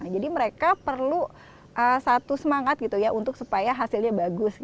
jadi mereka perlu satu semangat untuk supaya hasilnya bagus